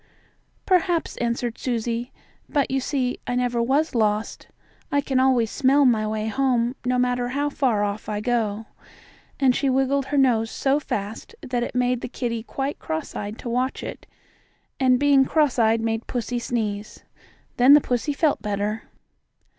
"Perhaps," answered Susie. "But you see I never was lost. I can always smell my way home, no matter how far off I go," and she wiggled her nose so fast that it made the kittie quite cross eyed to watch it, and being cross eyed made pussy sneeze. Then the pussy felt better.